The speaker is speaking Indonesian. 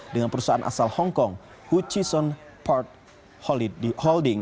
dengan perusahaan asal hongkong huchison park holding